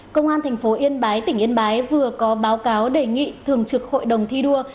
công an thành phố yên bái tỉnh yên bái vừa có báo cáo đề nghị thường trực hội đồng thi đua